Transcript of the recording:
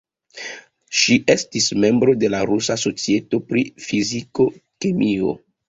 Ŝi estis membro de la Rusa Societo pri Fiziko-kemio.